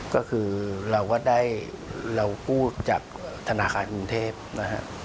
ก็คือเรากู้จากธนาคารกรุงเทพฯนะครับ